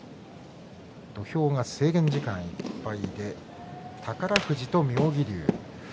土俵が制限時間いっぱいで宝富士と妙義龍。